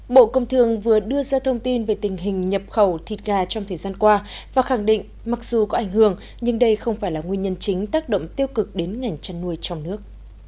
bộ công thương vừa đưa ra thông tin về tình hình nhập khẩu thịt gà trong thời gian qua và khẳng định mặc dù có ảnh hưởng nhưng đây không phải là nguyên nhân chính tác động tiêu cực đến ngành chăn nuôi trong nước